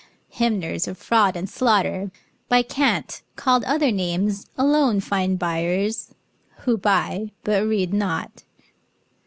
Hymners of fraud and slaughter, By cant called other names, alone find buyers Who buy, but read not.